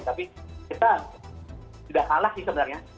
tapi kita sudah kalah sih sebenarnya